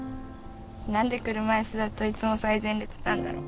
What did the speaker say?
なんで車いすだといつも最前列なんだろう。